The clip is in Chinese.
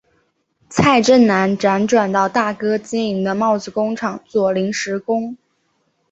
蔡振南辗转到大哥经营的帽子工厂做临时工。